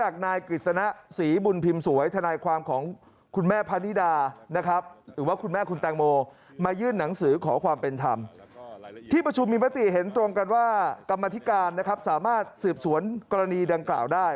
กรรมธิการนะครับสามารถสืบสวนกรณีดังกล่าวได้